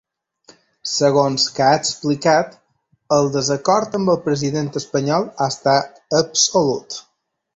Segons que ha explicat, el desacord amb el president espanyol ha estat absolut.